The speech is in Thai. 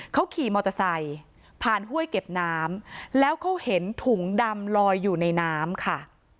เขาขี่มอเตอร์ไซค์ผ่านห้วยเก็บน้ำแล้วเขาเห็นถุงดำลอยอยู่ในน้ำค่ะ